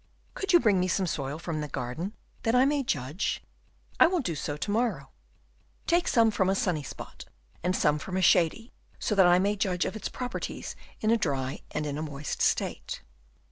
"Could you bring me some soil from the garden, that I may judge?" "I will do so to morrow." "Take some from a sunny spot, and some from a shady, so that I may judge of its properties in a dry and in a moist state."